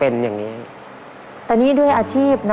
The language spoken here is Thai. โชคดี